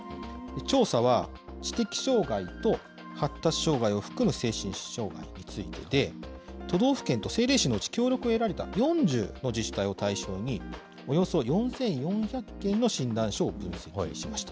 調査は知的障害と発達障害を含む精神障害についてで、都道府県と政令市のうち協力を得られた４０の自治体を対象に、およそ４４００件の診断書を分析しました。